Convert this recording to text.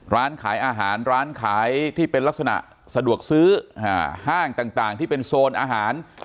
ร้านขายอาหารร้านขายที่เป็นลักษณะสะดวกซื้อห้างต่างที่เป็นโซนอาหาร